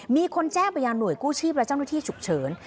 มีคนแจ้งไปยังหน่วยกู้ชีพและเจ้าหน้าที่ฉุกเฉิน